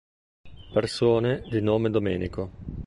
Persone di nome Domenico